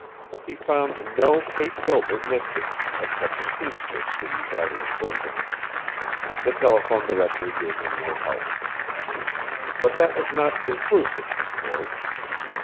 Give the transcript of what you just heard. He found no Kate Gilbert listed, except a seamstress who resided in Brooklyn. The telephone directory gave him no help. But that was not conclusive, of course.